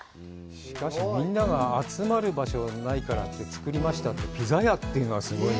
しかしみんなが集まる場所がないからって作りましたって、ピザ屋っていうのはすごいね。